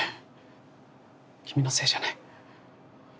君のせいじゃない。